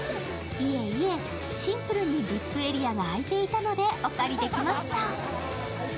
いえいえシンプルにＶＩＰエリアが空いていたのでお借りできました。